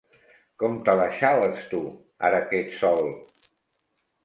Com te la xales, tu, ara que ets sol!